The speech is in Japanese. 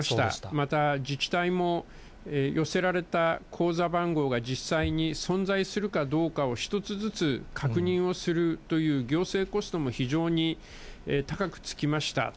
また自治体も寄せられた口座番号が実際に存在するかどうかを、一つずつ確認をするという行政コストも非常に高くつきました。